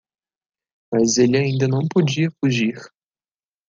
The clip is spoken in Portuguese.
Mas ele ainda não podia fugir.